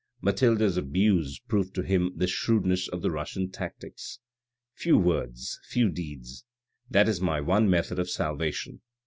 Mathilde's abuse proved to him the shrewdness of the Russian tactics. "' Few words, few deeds,' that is my one method of salvation."